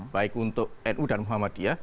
baik untuk nu dan muhammadiyah